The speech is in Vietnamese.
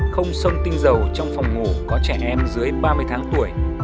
không sông tinh dầu trong phòng ngủ có trẻ em dưới ba mươi tháng tuổi